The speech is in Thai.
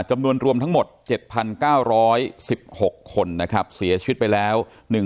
จำนวนรวมทั้งหมด๗๙๑๖คนนะครับเสียชีวิตไปแล้ว